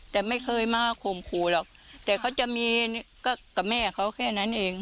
แต่ไม่เคยมาข่มขู่หรอกแต่เขาจะมีก็กับแม่เขาแค่นั้นเอง